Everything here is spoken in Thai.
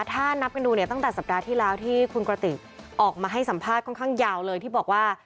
ถ้านับกันดูเนี่ยตั้งแต่สัปดาห์ที่แล้วที่คุณกระติกออกมาให้สัมภาษณ์ค่อนข้างยาวเลยที่บอกว่า